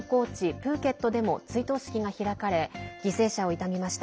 プーケットでも追悼式が開かれ犠牲者を悼みました。